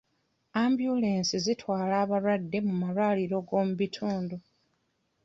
Ambyulensi zitwala abalwadde mu malwaliro go mu bitundu.